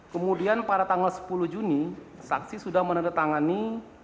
kemudian pada tanggal sepuluh juni saksi sudah menandatangani